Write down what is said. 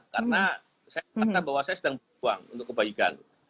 karena saya kata bahwa saya sedang berbuang untuk kebaikan